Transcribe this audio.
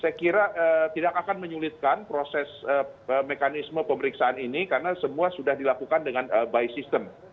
jadi tidak akan menyulitkan proses mekanisme pemeriksaan ini karena semua sudah dilakukan dengan by system